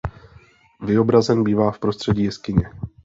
Vyobrazen bývá v prostředí jeskyně.